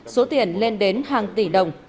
số tiền lên đến hàng tỷ đồng